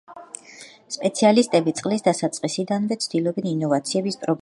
სპეციალისტები წლის დასაწყისიდანვე ცდილობენ ინოვაციების პროგნოზირებას.